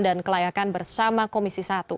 dan kelayakan bersama komisi satu